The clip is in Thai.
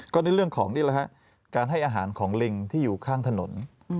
ก็ในเรื่องของนี่แหละฮะการให้อาหารของลิงที่อยู่ข้างถนน